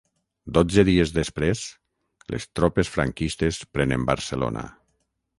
Dotze dies després les tropes franquistes prenen Barcelona.